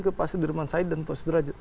ke pak sudirman said dan pak sudrajat